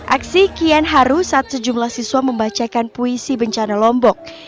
aksi kian haru saat sejumlah siswa membacakan puisi bencana lombok